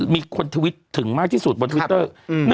มีคนทวิตถึงมากที่สุดบนทวิตเตอร์